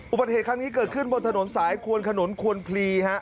อุบัติเหตุครั้งนี้เกิดขึ้นบนถนนสายควนขนุนควนพลีฮะ